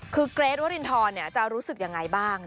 ครือกรี๊ดวัลลินทอนจะรู้สึกยังไงบ้าง